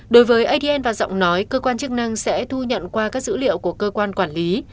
đối với adn và giọng nói cơ quan chức năng sẽ thu nhận qua các dữ liệu của cơ quan quản lý